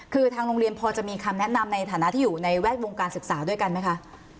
คือทางโรงเรียนพอจะมีคำแนะนำในฐานะที่อยู่ในแวดวงการศึกษาด้วยกันไหมคะ